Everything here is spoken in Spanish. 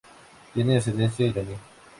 Tiene ascendencia Iraní.